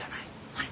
はい。